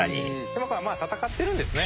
戦ってるんですね